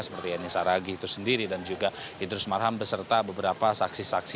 seperti eni saragih itu sendiri dan juga idrus marham beserta beberapa saksi saksi